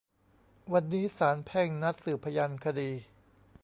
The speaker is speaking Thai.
วันนี้ศาลแพ่งนัดสืบพยานคดี